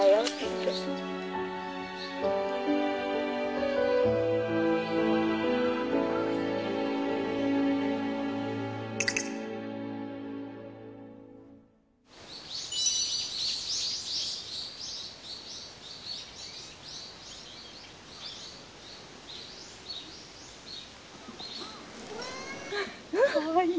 かわいい。